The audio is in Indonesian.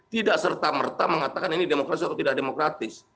tidak serta merta mengatakan ini demokrasi atau tidak demokratis